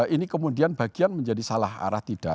ini kemudian bagian menjadi salah arah tidak